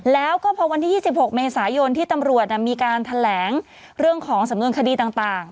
แล้วก็พอวันที่๒๖เมษายนที่ตำรวจมีการแถลงเรื่องของสำนวนคดีต่าง